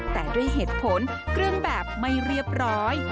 แต่ด้วยเหตุผลเครื่องแบบไม่เรียบร้อย